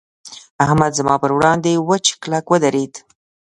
احمد زما پر وړاند وچ کلک ودرېد.